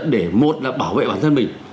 để một là bảo vệ bản thân mình